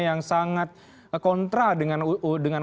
yang sangat kontra dengan